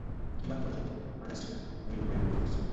তিনি মার্কিন কথাসাহিত্যিক আর্নেস্ট হেমিংওয়ের চতুর্থ স্ত্রী।